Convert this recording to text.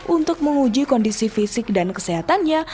untuk menguji kondisi fisik dan kesehatannya